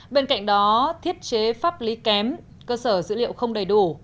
bên cạnh đó thiết chế pháp lý kém cơ sở dữ liệu không đầy đủ